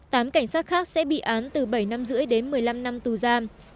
tám cảnh sát khác sẽ bị án từ bảy năm rưỡi đến một mươi năm năm tù giam